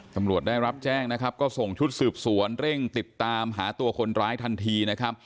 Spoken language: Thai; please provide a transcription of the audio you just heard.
ตำรวจได้รับแจ้งนะครับก็ส่งชุดสืบสวนเร่งติดตามหาตัวคนร้ายทันทีนะครับ